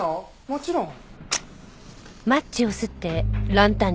もちろん。